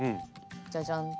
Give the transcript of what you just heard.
じゃじゃんと。